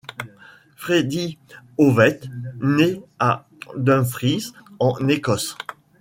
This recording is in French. Freddy Ovett naît à Dumfries en Écosse.